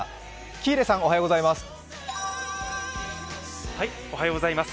喜入さん、おはようございます。